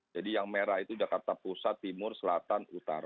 jadi yang merah itu jakarta pusat timur selatan utara